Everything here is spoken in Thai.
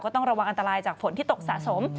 ต้องระวังอันตรายจากฝนที่ตกสะสม